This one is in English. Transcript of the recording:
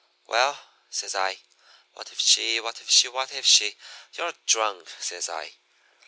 "'Well,' says I, 'what if she, what if she, what if she? You're drunk,' says I.